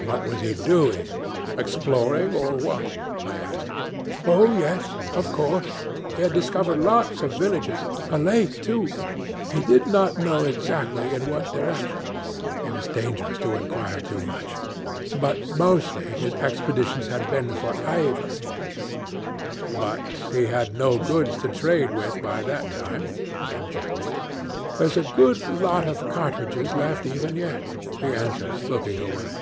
'What was he doing? exploring or what?' I asked. 'Oh yes, of course;' he had discovered lots of villages, a lake too he did not know exactly in what direction; it was dangerous to inquire too much but mostly his expeditions had been for ivory. 'But he had no goods to trade with by that time,' I objected. 'There's a good lot of cartridges left even yet,' he answered, looking away.